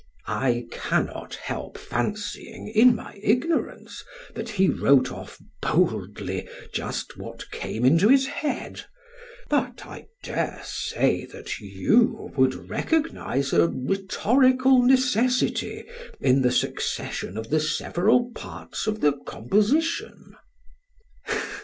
I cannot help fancying in my ignorance that he wrote off boldly just what came into his head, but I dare say that you would recognize a rhetorical necessity in the succession of the several parts of the composition?